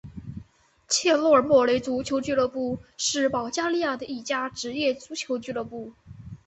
切尔诺莫雷足球俱乐部是保加利亚的一家职业足球俱乐部。